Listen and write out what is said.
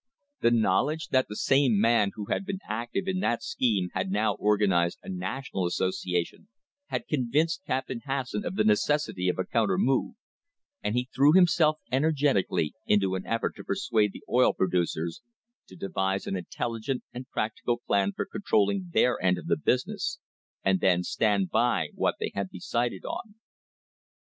The knowledge that the same man who had been active in that scheme had now organised a national association had con vinced Captain Hasson of the necessity of a counter move, and he threw himself energetically into an effort to persuade the»oil producers to devise an intelligent and practical plan for controlling their end of the business, and then stand by what they decided on.